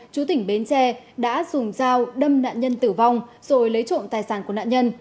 chú tỉnh bến tre đã dùng dao đâm nạn nhân tử vong rồi lấy trộm tài sản của nạn nhân